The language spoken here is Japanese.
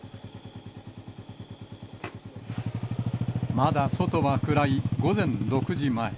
まだ外は暗い午前６時前。